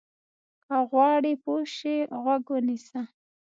که غواړې پوه شې، غوږ ونیسه.